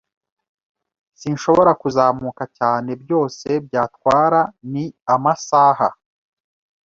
sinshobora kuzamuka cyaneByose byatwara ni amasaha